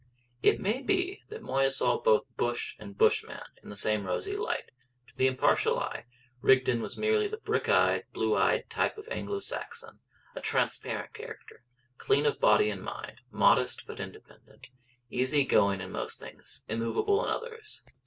It may be that Moya saw both bush and bushman in the same rosy light. To the impartial eye Rigden was merely the brick red, blue eyed type of Anglo Saxon: a transparent character, clean of body and mind, modest but independent, easy going in most things, immovable in others.